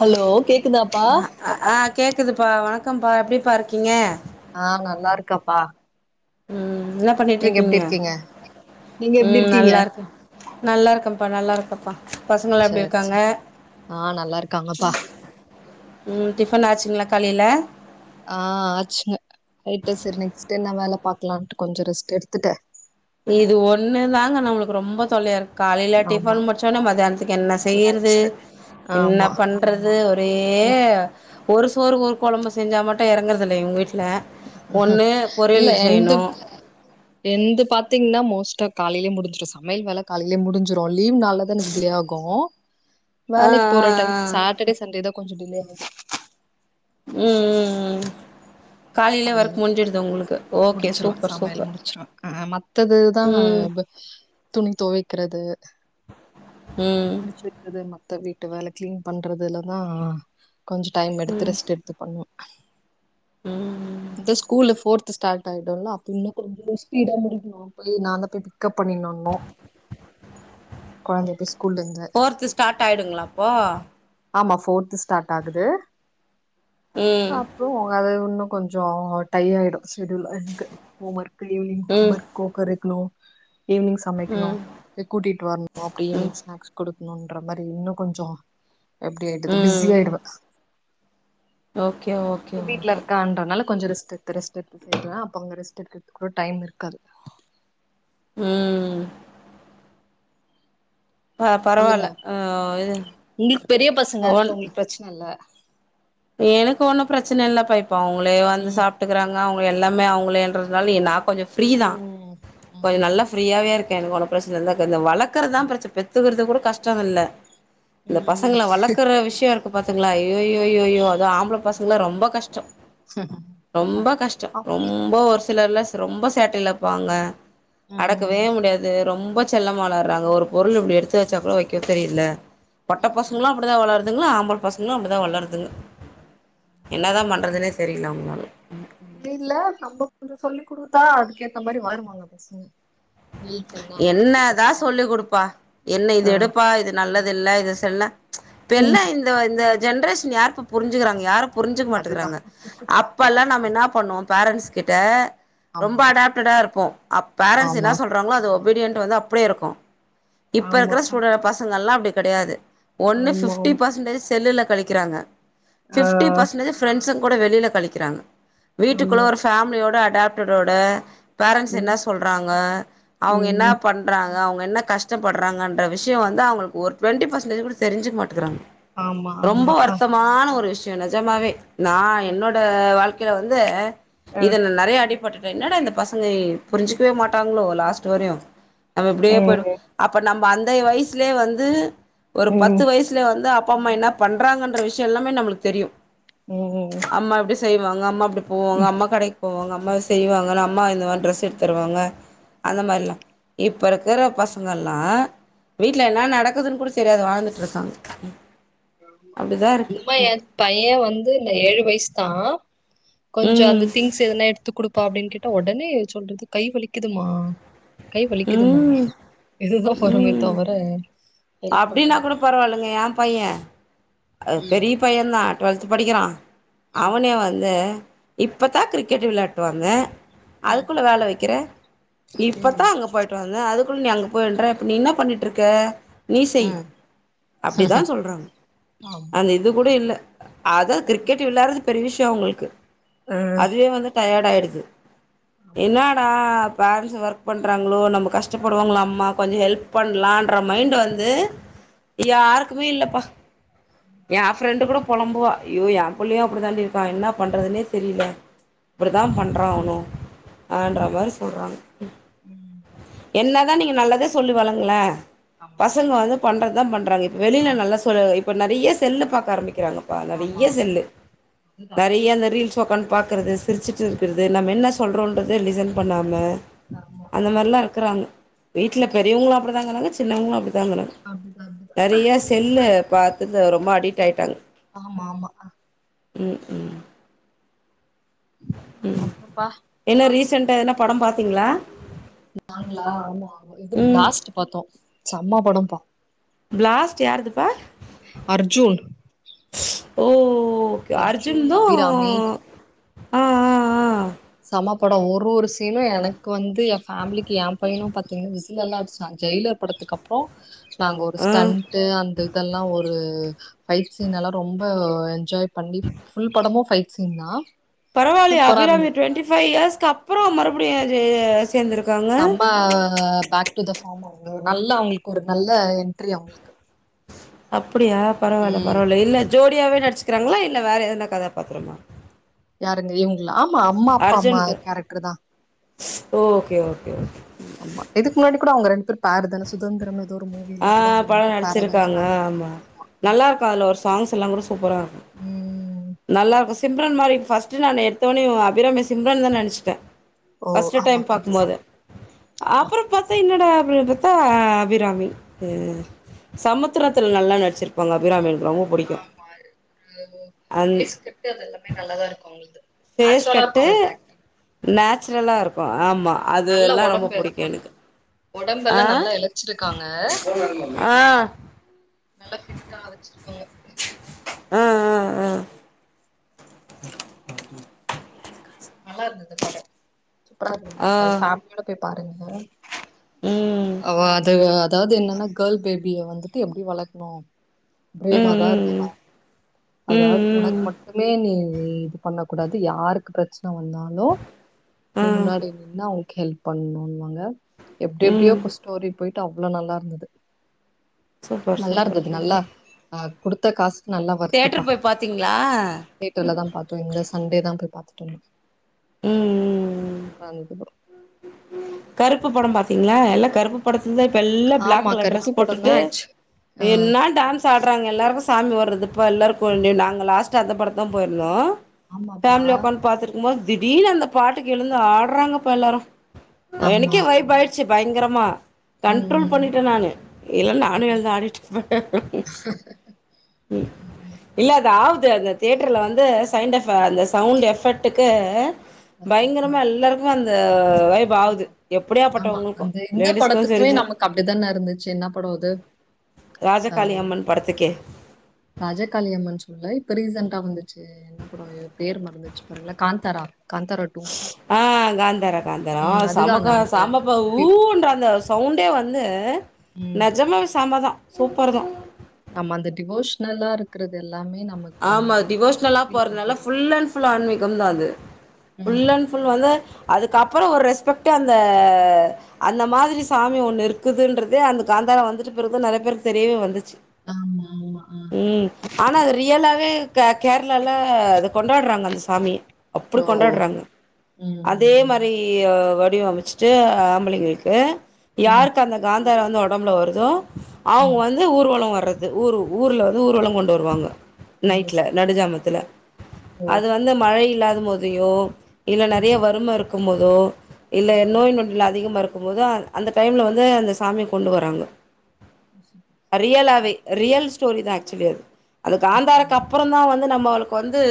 Hello கேக்குதாப்பா அ அ ஆ கேக்குதுப்பா வணக்கம்பா எப்டிபா இருக்கீங்க ஆஹ்நல்லாருக்கேப்பா உம் நல்லா பண்ணிட்டு இருக்கீங்க நீங்க எப்டி ம் இருக்கீங்க நல்லா இருக்கு நல்லா இருக்க பா நல்லாயிருக்கப்பா சர் சரி ஆஹ் நல்லா இருக்காங்கப்பா டிபன் ஆச்சுங்கலா காலயில ஆஹ் ஆச்சிங்க ரைட்டு சரி நெக்ஸ்ட நான் வேல பாக்கலாம்ட்டு கொஞ்சம் ரெஸ்ட் எடுத்துட்ட இது ஒன்ணுதாங்க நமக்கு ரொம்ப தொல்லையா இருக்கு காலையில ஆமா டிஃபன் முடிச்சவுடனே மத்தியானத்துக்கு என்ன செய்யறது லன்ச்சு என்ன ஆமா பண்றது ஒரே ம் ஒரு சோறு ஒரு குழம்பு செஞ்சா மட்டும் இறங்குறதில்ல எங்க வீட்டல இல்ல எந்து செய்யணு ஏந்து பாத்தீங்கன்னா மிஸ்டர் காலையிலே முடியும் சமையல் வேலை காலையிலே முடிஞ்சுரும் லீவ் நாளால தான் எனக்கு டிலே ஆகும் ஆ வேலைக்கு போற ஆ டைம் ஆ சாட்டடே சண்டே தான் கொஞ்சம் டிலே ஆகுது உம் உம் உம் காலையில சிக்ரம் முடிச்சுருவ சூப்பர் சமையல் சூப்பர் முடிச்சிருவ ஆஹ் மத்ததுதான் ம் துணி துவக்கிறது ம் மடிச்சுவக்கிறது மத்த மொத்த வீட்டு வேலை கிளீன் பண்றதுலதான கொஞ்சம் டைம் எடுத்து ரெஸ்ட் எடுத்து பன்னுவோம் உம்ம் இந்த ஸ்கூலு போர்த் ஸ்டார்ட் ஆகுதுல அப்ப இன்னும் கொஞ்சம் ஸ்பீடா முடிக்கனும் போய் நான் தான் போய் பிக்கப்பன்னினுல வந்த குழந்தைய போர்து ஸ்டார்ட் ஆயிடுங்களா அப்போ ஆமா போர்து ஸ்டார்ட் ஆகுது ம் அப்புறம் அத உன்னும் கொஞ்சம் ஓட்டை ஆயிடும் ஷடியூல் எனக்கு ஹம்வர்கே ம் ஹம்வர்க்கு கோகக்கணும் ஈவினிங் சமைக்னும் ம் போய்கூட்டிட்டு வரனும் அப்டியே ம் ஈவினிங் ஸ்னாக்ஸ் குடுக்னும் நோன்ற மாரி இன்னும் கொஞ்சம் எப்படி ஆவாது ம் பிஸியாயுடுவ ஓகே ஓகே ஓகே அதனால கொஞ்சம் ரெஸ்ட் எடுத்து ரெஸ்ட் எடுத்து செய்றேஅப்ப அங்க ரெஸ்ட் எடுக்கிறது கூட டைம் இருக்காது உம் சொல்லுங்க ஆ இது உங்களுக்கு பெரிய பசங்க அதனால ஒன் உங்களுக்கு பிரச்சன இல்ல எனக்கு ஒன்னும் பிரச்சன இல்ல பா இப்ப அவங்களே வந்து ம் சாப்புட்டுக்கிறாங்க அவுங்க எல்லாமே அவுங்களே என்றதுனால நாக் கொஞ்சம் ஃப்ரீ தான் ம் கொஞ்சம் ம் நல்லா ஃப்ரீயாவே இருக் [unintelligible] பிரஸ் எனக்கு இந்த வளக்கறதான் பிரச்ச பெத்துக்கறது கூட கஷ்டமில்ல இந்த ம் பசங்களை வளக்குற விஷயம் இருக் பாத்துங்களா ஐய்யோய் ஐயோ யோ ஆம்பள பசங்கள ரொம்ப கஷ்டம் ரொம்ப கஷ்டம் அ ரொம்ப வருஷம் சிலர்லாம் ரொம்ப சேட்டையிலப்பாங்க அடக்கவே ம் முடியாது ரொம்ப ரொம்ப செல்லமா வளர்றாங்க ஒரு பொருள் இப்படி எடுத்து வச்சா கூட வைக்க தெரியில பொட்ட ம் பசங்களும் அப்படி தான் வளர்து அதுங்களும் ஆம்பல பசங்களும் அப்டிதான் வளர்து ங்க என்னதான் பண்றதுன்னே தெரில உங்களால இ இல்ல நம்ப கூட சொல்லி் கொடுத்தா அதுக்கேத்த மாரி வளருவாங்க பசங்க ஹெல்ப் பண்ணா அம்மாக்கு என்னதான் கொஞ்சோ சொல்லி குடுப்பா என்ன இது ஆ எடுப்பா இது நல்லது இல்ல இது செய் தென்ன ம் இப்பெல்லா இந்த இந்த ஜென்ரேஷன் யாருப்பா புரிஞ்சுகிறாங்க யார புரிஞ்சுக்க அதுதா மாட்டுங்கிறாங்க அப்ப ல்லாம் நம்ம என்ன பண்ணுவோம் பேரண்ஸ் கிட்ட ஆமா ரொம்ப அடாப்டடா இருப்போம் அப் பேரண்ட்ஸ் என்ன ஆமா சொல்ற அது ஒபீடியன்ட் வந்து அப்டியே இருக்கும் இப்ப ஆமா இருக்கிற சூழல பசங்களாம் எல்லாம் அப்படி கெடையாது ஒன்னு ஆமா ஃபிப்டி ஆமா பசன்டேஜ் செல்லுல கழிக்கிறாங்க ஆ பிப்டி பசன்டஜ் பிரெ பசன் கூட வெளியில கழிக்கிறாங்க வீட்டுக்குள்ள ஆமா ஒரு ஃபமிலியோட அட் அடாப்டரோட பேரன்ஸ் என்ன ம் சொல்றாங்க அவங்க ம் என்னபண்றாங் அவங்க என்ன கஷ்டப்படுறாங்கன்ற விஷயம் வந்து அவங்களுக்கு ஒரு டுவெண்டி பர்சன்டேஜ் கூட தெரிஞ்சுக்க மாட்டுறாங்க ஆமா ரொம்ப ஆமா ஆ வருத்தமான ஒரு விஷயம் நிஜமாவே நான் என்னோட வாழ்க்க இதுல வந்து ஆ இதல்ல நெறைய அடிப் பட்டட்ட என்னட இந்த பசங்க புரிஞ்சுக்கவே மாட்டாங்களோ லாஸ்ட் துறையும் நம்ம எப்படியே போயிடும் அப்ப நம்ம இப்ப அந்த வயசுலயே வந்து ஒரு ம் பத்து வயசுல வந்து அப்ப அப்ப அம்மா என்ன பண்றாங்கன்ற விஷயம் எல்லாமே நம்மளுக்கு தெரியும் ம் ம் அம்மா எப்படி செய்வாங்க அம்மா அப்படி போவாங்க அம்மா கடைக்கு போவாங்க அம் அம்மாவ செய்வாங்கன்ன அம்மா இந்த மாதிரி டிரெஸ் எடுத்து தருவாங்க அந்த மாரிலாம் இப்போ இருக்கிற பசங்கள்லாம் வீட்டில் என்ன நடக்குதுன்னு கூட தெரியாது வாழ்ந்துட்டுருக்காங்க சும்மா என் பையன் வந்து இந்த ஏழு வயசு தான் கொஞ்சம் அந்த ம் திங்ஸ் எதனா எடுத்து குடு அப்பா அப்படின்னு கேட்டா உடனே சொல்றது கை வலிக்குதுமா கை வலிக்குதுமா ம் எதுதான் பொரியை தவிர அப்படின்னா கூட பரவாயில்லைங்க ஏன் பையன் அது ம் பெரிய பையன் தான் டுவெல்த் படிக்கிறான் ம் அவனே வந்து இப்பதான் கிரிக்கெட் விளையாட்டுவாங்க ம் அதுக்குள்ள வேல வைக்கிற ம் இப்தான் அங்க போயிட்டு வந்தேன் அதுக் அப்பறம் நீ அங்க போயென்ற இப்ப நீ என்னா பண்ணிட்டுருக்க நீ செய் ம் அப்டிதான் சொல்றாங் ஆமா அது இது கூட இல்ல அதான் கிரிக்கெட் விளயாறது பெரிய விஷயம் உங்களுக்கு ஆ அதுவே வந்து டயட்டு ஆயிடுச் [unintelligible] ஆமா என்னடா அப் பேரண்ட்ஸ் ஒர்க் பண்றாங்களோ நம்ம கஷ்டப்படுவாங்களா அம்மா கொஞ்சம் ஹெல்ப் பண்ணலான்ற மைண்ட் வந்து யாருக்குமே இல்லப்பா என் ஃப்ரெண்டு கூட பொழம்புவா ஐயோ என் புள்ளையும் அப்படி தாண்டி இருக்கான் என்ன பண்றதுனே தெரியில இப்படிதான் பண்றான் அவனும் அன்ற மாதிரி சொல்றாங்க ஆமா ம் என்ன அதான் நீங்கள் நல்லதே சொல்லி வளங்களே ஆமா பசங்க வந்து பண்றது அதான் பண்றாங்க இப் வெளியில ஆமா நல்ல சொல்ல வை இப்போ நெறைய செல்லு பாக்க ஆரம்பிக்கிறாங்க ஆமா ஆமா நெறைய செல்லு அதுதா நெறைய இந்த ரீல்ஸ் போன் பாக்குறது சிரிச்சுட்டு இருக்கிறது நம்ம என்ன சொல்கிறோன்றத லிசன் பண்ணாம ஆமா அந்த மாரிலாம் இருக்கிறாங்க வீட்டுல பெரியவங்களும் அப்படிதாங்றாங்க சின் சின்னவங்களும் அப்புடி தாங்கிறாங்க அப்டிதா அப்டிதா நெறையா செல்லு பாத் த்து ரொம்ப அடிக்ட் ஆயிட்டாங்க ஆமா ஆமா உம் உம் உம் அப்பப்பா என்ன ரீச் ரீசன்டா என்ன படம் பாத்தீங்களா நாங்களா ஆமா ஆ இது ம் பிளாஸ்ட்ட் பாத்தோம் செம்ம படம்பா பிளாஸ்ட் யாருதுப்பா அர்ஜுன் ஓ ஓகே அர்ஜுன் அர்ஜுன்னோ அபிராமி ஆஹ ஆஹ ஆஹ சம்மபடம் ஒரு ஒரு சீனும் எனக்கு வந்து என் பேமிலிக்கி என் பையன் பாத்தீங்க விசில் எல்லாம் அடிச்சான் ஜெயிலர் படத்துக்கு அப்புறம் நாங்க ஒரு ஆ ஆ ஸ்டண்டு அந்த இதெல்லாம் ஒரு பைட் சீன் எல்லாம் ரொம்ப என்ஜாய் கண்டிப் புல் படமோ பைட் சின்னா பரவில்ல அபிராமி டுவென்டி ஃபைய் இயர்ஸ்கு அப்புறம் மறுபடியும் அம்மா பேக் டுத ஃபாமோ நல்ல அவங்களுக்கு ஒரு நல்ல என்ரி அவங்களுக்கு அப் அப்படியா பரவால்ல ம் பரவால்ல இல்ல ஜோடியாவே நடிச்சிக்கிறாங்களா இல்ல வேற எத கதாபாத்திரமா யாரது இவங் ஆமா அம்மா அப்பா அம்மா கேரக்டர் தான் ஸ் ஓகே ஓகே ஆமா இதுக்கு முன்னாடி கூட அவங்க ரெண்டு பேரும் பேருதான சுதந்திரம் ஏதோ ஒரு மூவில கூட ஆஹ அவங்க ரெண்டு படம் பேர் பேர் தானே நடிச்சிருக்காங்க ஆமா நல்லா இருக்கும் அதுல ஒரு சாங்ஸ் எல்லாம் கூட சூப்பரா இருக்கும் ம் நல்லா இருக்கும் சிம்ரன் மாரி ஃபஸ்டு நான் எடுத்தோனையும் அபாமி சிம்ரான் நினச்சிட்டேன் ஓ பஸ்ட் ஆமா டைம் கொஞ்சம் பாக்குபோது சாரி ஆமா அப்புறம் பார்த்தா என்னட அப்டி பாரத்தா அபிராமி சமத் உத்திரல நல்லா நடிச்சிருப்பாங்க அபிராமி ரொம்ப புடிக்கு ஆமா அந் பேஸ்கட்டு அது எல்லாமே நல்லாதான் இருக்கும் அவுங்களுது நச்சுரலா இருக்கும் அவுங்களுகு ஆக்டிங் நச்சுரலா இருக்கும் ஆக் ஆமா அது நல்ல எல்லாம் ரொம்ப ஒடம்பு பிடிக்கும் எனகு ஒடம்பெல்லா ஆஹ நல்லா இழச்சிருக்காங்க [inaudible] ஆஹ நல்லா பிட்டா ஆ வச்சிருக்காங்க உஹ் உஹ் உம் உஹம் [unintelligible] நல்லா இருந்தது படம் சூப்பரா இருந்தது ஆ அது ஃபேமிலியோட பேய் பாருங்க ம் அவ அது அதாவது என்னன்னா கர்ல் பேபி பேபிய வந்துட்டு எப்படி வளக்கணும் ம் பிரேவாதான் ம் இருக்கும் அதாவது ம் உனக்கு ம் மட்டுமே நீ நீ பண்ண கூடாது யாருக்கு பிரச் [unintelligible] வந்தாலு நீ ஆ முன்னாடி நின்னா [unintelligible] ஹெல்ப் பண்ணுன்னுவாங்க எப்படி எப்படியோ ம் இப்ப ஸ்டோரி போயிட்டு அவ்ளோ நல்லா இருந்தது சூப்பர் நல்லா சூப்பர் இருந்தது நல்லா ஆஹ் கொடுத்த காசுக்கு நல்லா வா தேட்டர் [unintelligible] போய் பாத்தீங்களா தியேட்டருலதா பாத்தோ இந்த சண்டேதா போய் பாத்தோ தோழி ம் ம் சூப்ரா இருந்தது படோ கருப்பு படம் பாத்தீங்களா எல்லா கருப்பு படத்தை [unintelligible] எல்லா பிளாக் ஆமா கலர் கருப்பு ட்ரெஸ் படந்தா போட்டுட்டு ஆச்சு ஆ என்னா டான்ஸ் ஆடுறாங்க எல்லாரு சாமி வர்றது இப்போ எல்லோருக்கு இங்க நாங்க லாஸ்ட் அந்த படத்துக்தா போயிருந்தோ ஆமாப்பா ஃபேமிலியா உக்காந்து பாத்திருக்கும்போது திடீனு அந்த பாட்டுக்கு எழுந்து ஆடுறாங்கப்பா எல்லாரும் ஆமா எனக்கே வாய்ப்அயிச் ச்சி பயங்கரமா கண்ட்ரோல் ம் பண்ணிட்டேன் நானு இல்ல நானும் எழுான் ஆடிட்ருப்பேன் இல்ல அது ஆது அ அந்த தியேட்டரில் வந்து சைண்ட் எஃ அந்த சவுண்ட் எஃபெக்ட்டுக்கு பயங்கரமா எல்லாருக்கும் வந்த த வைப் ஆகுது ஆமா அந்த இந்த படத்துக்குமே நமக்கு அப்படித்தானே இருந்துச்சு என்ன படம் அது அஹ் கே ராஜகாளியம்மன்னு சொல்லல இப்ப ரீசன்டா வந்துச்சு என்ன படம் பேர் மறந்துச்சு பாருங்களா காந்தாரா காந்தாரா டூ ஆஹ் காந்தாரா காந்தாரா ம் அதுதா அந்த சமக்க அந்த சாமப்ப டி ஊன்ற அந்த சவுண்டே வந்து ம் நெஜமாவே சாமதான் சூப்பர் தான் நம்ம அந்த டிவோஷனலா இருக்கறது எல்லாம் ஆமா டிவோஷனலா கொண்டு போறதுனால வருது புஃபுல் அண்ட் ஃபுல் ஆன்மீகம் தான் அது ம் புஃபுல் அண்ட் புஃபுல் வந்து அதுக்கப்புறம் ஒரு ரெஸ்பெக்ட்டு அந்த அந்த மாதிரி சாமி ஒண்ணு இருக்குதுன்றதே அந்த காந்தாரா வந்துட்டு பிறகு நிறைய பேருக்கு தெரியவே வந்துச்ச ஆமா ஆமா ஆஹ் ரியலவே கேரளால அத கொண்டாடுறாங்க அந்த சாமிய அப்படி ஓ! கொண்டாடுறாங்க அதே ம். மாரி குடிய அமைச்சிட்டு ஆம்பளைங்களுக்கு ம். யாருக்கந்த காந்த அ வந்து உடம்புல வருதும் அவங்க ம். வந்து ஊர்வலம் வர ஊரு ஊர்ல வந்து ஊர்வலம் கொண்டு வருவாங்க ஓ! நைட்ல சரி, சரி. நடுஜாமத்துல ஓ! ஓ! அது வந்து மழை இல்லாத அ முதியோ இல்ல ம். நெறைய வருமை இருக் இருக்கும்போதோ இல்ல ஓகே. நோய் நொடில் அதிகமா இருக்கும் இருக்கும் போது அந்த டைம்ல வந்து அந்த சாமி கொண்டு வராங்க ம். சூப்பர். ரியலாவே ரியல் ஸ்டோரி தான் ஆக்சுவலி அது காந்தாருக்கு ம். அப்புறம் தான் வந்து நம்ம அவளுக்கு வந்து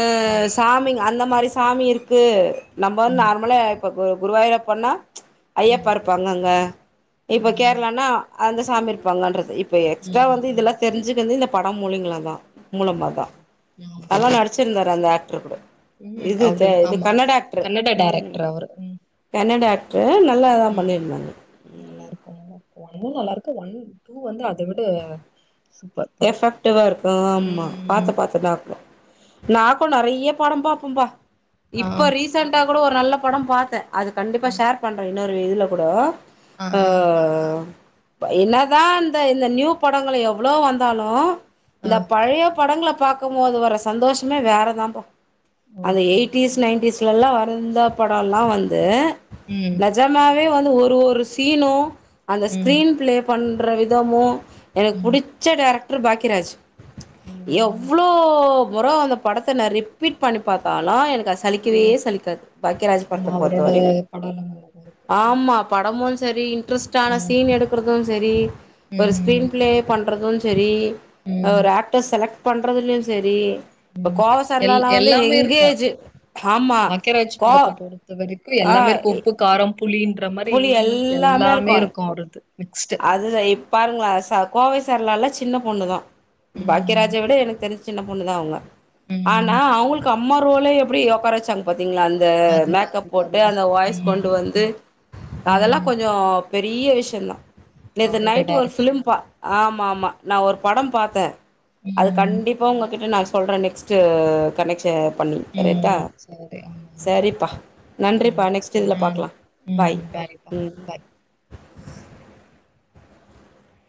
ம் சாமிங் அந்த அந்த மாதிரி சாமி இருக்கு நம்ம வந் ம். நார்மலாக் இப்போ கு குருவாயூரப்பா நா ம். ம். ஐயப்பா இருப்பார்அங்க இப்ப ம். கேரளானா அந்த சாமி இருப்பாங்கன்றது இப்ப இப்ப எக்ஸ்ட்ரா வந்து ம். ம். இதல்லாம் தெரிஞ்சுக்குனு இந்த படம் மொழிங்களா தான் மூலமா தான் ம். அதான் நடிச்சிருந்தாரு அந்த ஆக்ட் கேக்குதா ம். இது த அவரு இது ஆமா. கன்னட ஆக்டர் கன்னட உம் டைரக்டர் அவரு. ம். கன்னட ஆக் வேல நல்லா தான் பண்ணிருந்தாங்க ஒன்னு நல்லா இருக்கு ஒன் டூ வந்து அதை விட சூப்பர் படம். எபக்ட்டிவா இருக்கும் ஆமா பாத்த ம். பாத்த நாக்க நாக்கும் நிறைய படம் பா உம்ப ஆ. இப்ப ரீசெண்ட்டா இப்ப கூட ஒரு நல்ல படம் பார்த்தேன் அது கண்டிப்பா அ. ஷேர் பண்றே இன்னொரு இதுல கூட ஆ, ஆ, ஆஹ் என்னதான் இந்த இந்த நியூ படங்களை எவ்ளவு வந்து இருந்தாலும் ஆ. இந்த பழைய படங்கள பாக்கும் போது வர சந்தோஷமே வேறதான்பா அது ஓகே, ஓகே. எயிட்டிஸ் நைன்டீஸ்ல எல்லாம் வர இந்த படம்லாம் வந்து ம். நிஜமாவே வந்து ஒரு ஒரு ஒருசீனே அந்த ம். ஸ்கிரீன் பிளே பண் ரைதாமோ எனக்கு ம். புடிச் டைரக்டர் பாக்கியராஜ் ம். எவ்ளோ ப்புரோ அந்த படத்தை நான் ரிப்பீட் பண்ணி பாத்தாலும் எனக்கு சலிக்கவே ம். சலிக்காது பாக்கியராஜ் படத்த ஆமா அவரோட பொறுத்தவரையு படம்லாம் நல்லாதான் இருக்கும் ஆமா படமு சரி இன்ரெஸ்ட ம் சீன் எடுக்கிறது க்கும் சரி ஒரு ம் ஸ்கிரீன் பிளே பண் ன்றதும் சரி ம் ஒரு ஆக்டர் செலக்ட் பண்றதுலயும் சரி இப்ப கோவ எல் சரளாலா வந்து எல்லாமே எங் இருக்கும் ஏஜு ஆமா பாக்கியராஜ் கோ படத்தை ஆ எல்லாமே உப்பு காரம் புலின்ற மாரி எல்லாமே இருக்கு அவரது மிக்ஸ்டு அதுல இப்பாருங்களா ச கோவைசர்லால சின்ன பொண்ணுதா ம் பாக்கியராஜ விட எனக்கு தெரிஞ்சு சின்ன பொண்ணுதா அவங்க ஆனா ம் அவங்களுக்கு அப் அம்மா ரோல எப்டி ஒக்கார வெச்சாங்க பாரு த்திங்களா அந்த அதுதான் மேக்கப் அதுதான் போட்டு அதுதான் அந்த வாய்ஸ் கொண்டு ம் வந்து அதெல்லா ம் கொஞ்சோ பெரிய விஷயந்தா நேத்து அவரோட நைட் ஒரு டைரக்ஷன் பிலிம் பா ஆமா ஆமா நா ஒரு படம் பாத்தே அது ம் கண்டிப்பா உங்ககிட்ட நான் சொல்றே நெக்ஸ்ட்டு கனெக்ஷன் பண்ணி கரெக்டா ம் சரி ஆமா ஆமா சரிப்பா நன்றிப்பா ம் நெக்ஸ்டு இதுல அண்ட் பாக்கலா ம் பாய் ம் பாய்ப்பா